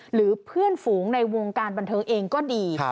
หรือเพื่อนฝูงในวงการบันเทิงเองก็ดี